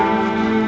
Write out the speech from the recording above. sekali lagi ya pak